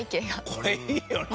これいいよね。